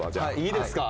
いいですか